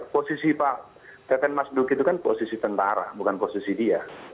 posisi pak teten mas duki itu kan posisi tentara bukan posisi dia